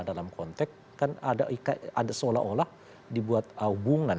dalam konteks kan ada seolah olah dibuat hubungan